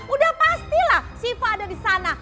udah pastilah shiva ada disana